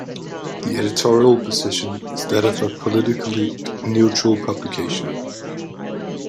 The editorial position is that of a politically neutral publication.